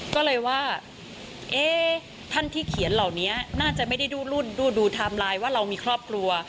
ก็เลยว่าเอ๊ะท่านที่เขียนเหล่านี้น่าจะไม่ได้ดูรุ่นดูไทม์ไลน์ว่าเรามีครอบครัว